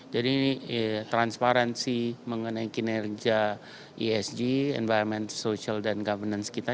jadi transparansi mengenai kinerja isg environment social dan governance kita